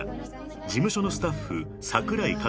［事務所のスタッフ櫻井佳